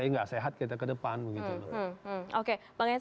ya enggak sehat kita ke depan begitu